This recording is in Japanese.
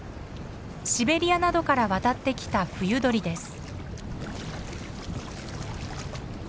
シベリアなどから渡ってきた冬鳥です。